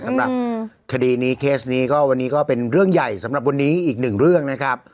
สำหรับคดีนี้เคสนี้ก็วันนี้ก็เป็นเรื่องใหญ่สำหรับวันนี้อีกหนึ่งเรื่องนะครับ